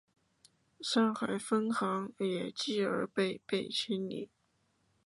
上海分行也继而被被清理。